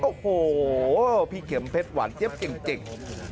โอ้โหพี่เข็มเพชรหวานเจี๊ยบจริง